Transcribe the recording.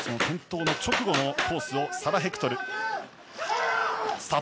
転倒直後のコースをサラ・ヘクトル。